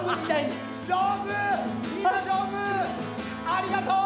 ありがとう！